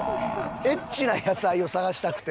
エッチな野菜を探したくて。